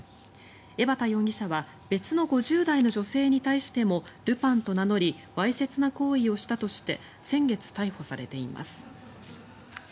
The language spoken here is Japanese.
江畑容疑者は別の５０代の女性に対してもルパンと名乗りわいせつな行為をしたとして先月、逮捕されています。